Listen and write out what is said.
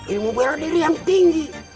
ilmu bela diri yang tinggi